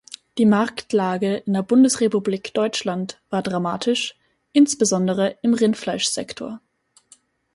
Die Marktlage in der Bundesrepublik Deutschland war dramatisch, insbesondere im Rindfleischsektor.